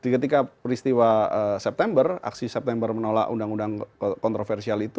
ketika peristiwa september aksi september menolak undang undang kontroversial itu